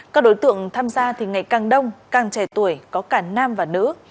các đối tượng tham gia thì ngày càng đông càng trẻ tuổi có cả nam và nữ